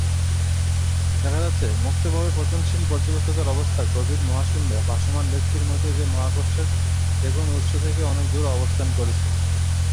দেখা যাচ্ছে, মুক্তভাবে পতনশীল পর্যবেক্ষকের অবস্থা গভীর মহাশূন্যে ভাসমান ব্যক্তির মতই যে মহাকর্ষের যেকোন উৎস থেকে অনেক দূরে অবস্থান করেছে।